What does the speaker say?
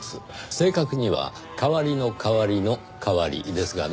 正確には代わりの代わりの代わりですがね。